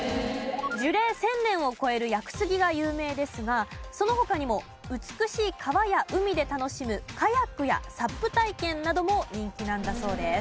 樹齢１０００年を超える屋久杉が有名ですがその他にも美しい川や海で楽しむカヤックやＳＵＰ体験なども人気なんだそうです。